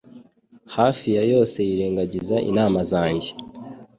hafi ya yose yirengagiza inama zanjye.